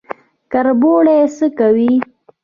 کربوړی څه کوي؟